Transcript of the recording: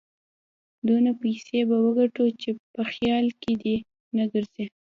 دونه پيسې به وګټو چې په خيال کې دې نه ګرځي.